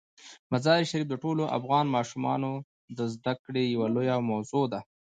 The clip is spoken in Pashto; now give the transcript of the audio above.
مزارشریف د ټولو افغان ماشومانو د زده کړې یوه لویه موضوع ده.